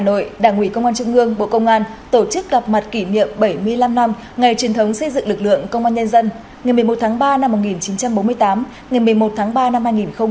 hà nội đảng ủy công an trung ương bộ công an tổ chức gặp mặt kỷ niệm bảy mươi năm năm ngày truyền thống xây dựng lực lượng công an nhân dân ngày một mươi một tháng ba năm một nghìn chín trăm bốn mươi tám ngày một mươi một tháng ba năm hai nghìn hai mươi